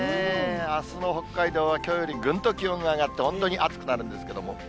あすの北海道は、きょうよりぐんと気温が上がって、本当に暑くなるんですけども。